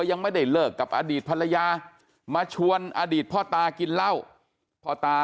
ยังไม่ได้เลิกกับอดีตภรรยามาชวนอดีตพ่อตากินเหล้าพ่อตา